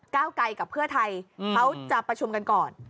เก้าไกลกับเพื่อไทยเขาจะประชุมกันก่อน